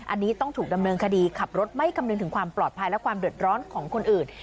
อันนี้ต้องถูกดำเนินคดีขับรถไม่คำนึงถึงความปลอดภัยและความเดือดร้อนของคนอื่น